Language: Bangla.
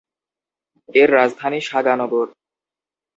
এর রাজধানী সাগা নগর।